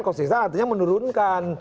konsisten artinya menurunkan